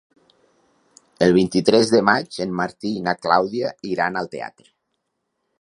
El vint-i-tres de maig en Martí i na Clàudia iran al teatre.